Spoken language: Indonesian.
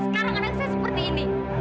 sekarang anak saya seperti ini